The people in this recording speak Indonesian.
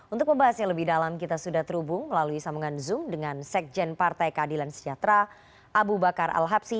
untuk membahasnya lebih dalam kita sudah terhubung melalui sambungan zoom dengan sekjen partai keadilan sejahtera abu bakar al habsi